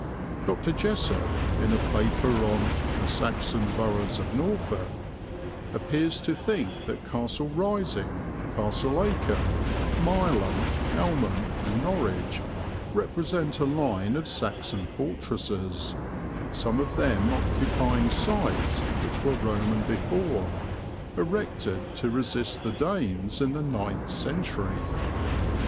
Dr. Jessopp, in a paper on "The Saxon Burghs of Norfolk," appears to think that Castle Rising, Castleacre, Mileham, Elmham, and Norwich represent a line of Saxon fortresses, some of them occupying sites which were Roman before, erected to resist the Danes in the ninth century.